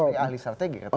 pak sby ahli strategi